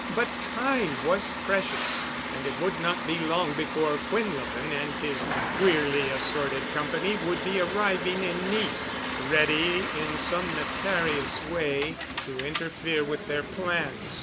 But time was precious—and it would not be long before Quinlevin and his queerly assorted company would be arriving in Nice, ready in some nefarious way to interfere with their plans.